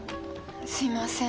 すいません。